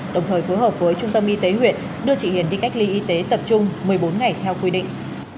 đồng thời phối hợp với trung tâm y tế huyện đưa chị hiền đi cách ly y tế tập trung một mươi bốn ngày theo quy định